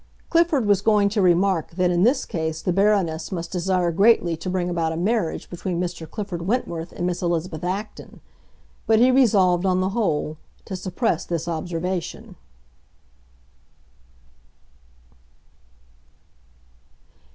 Clifford was going to remark that in this case the Baroness must desire greatly to bring about a marriage between Mr. Clifford Wentworth and Miss Elizabeth Acton; but he resolved, on the whole, to suppress this observation.